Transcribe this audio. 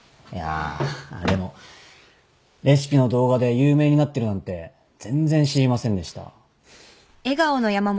あっでもレシピの動画で有名になってるなんて全然知りませんでした。